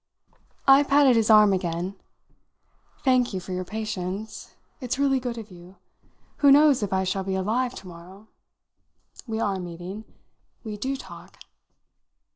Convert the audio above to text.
I patted his arm again. "Thank you for your patience. It's really good of you. Who knows if I shall be alive to morrow? We are meeting. We do talk."